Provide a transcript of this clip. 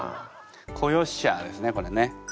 「子よっしゃあ」ですねこれね。